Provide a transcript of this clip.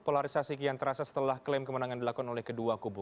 polarisasi kian terasa setelah klaim kemenangan dilakukan oleh kedua kubu